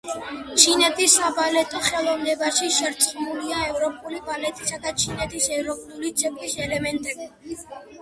ჩინეთის საბალეტო ხელოვნებაში შერწყმულია ევროპული ბალეტისა და ჩინეთის ეროვნული ცეკვის ელემენტები.